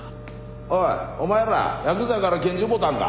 おいお前らヤクザから拳銃奪うたんか？